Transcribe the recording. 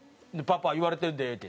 「パパ言われてるで」って。